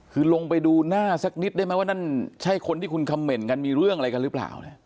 คือลงไปดูหน้าสักนิดได้ไหมว่านั่นใช่คนที่คุณคำเหม็นกันมีเรื่องอะไรกันหรือเปล่าเนี่ย